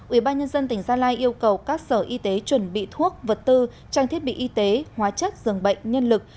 ubnd tỉnh gia lai yêu cầu các sở y tế chuẩn bị thuốc vật tư trang thiết bị y tế hóa chất dường bệnh nhân lực